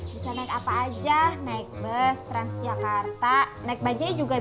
bisa naik apa aja naik bus transjakarta naik bajai juga